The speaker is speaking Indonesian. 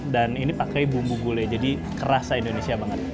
dan ini pakai bumbu gulai jadi kerasa indonesia banget